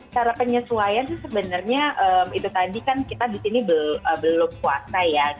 cara penyesuaian sih sebenarnya itu tadi kan kita di sini belum puasa ya